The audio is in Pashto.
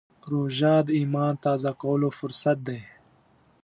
روژه د ایمان تازه کولو فرصت دی.